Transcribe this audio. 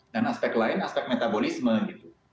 dan aspek lain aspek metabolisme gitu